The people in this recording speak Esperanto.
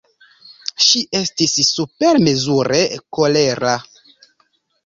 Ŝi estis supermezure kolera!